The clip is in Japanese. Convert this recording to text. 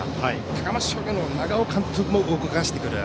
高松商業の長尾監督も動かしてくる。